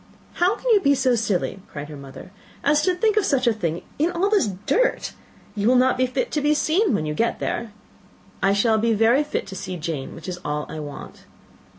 "How can you be so silly," cried her mother, "as to think of such a thing, in all this dirt! You will not be fit to be seen when you get there." "I shall be very fit to see Jane which is all I want."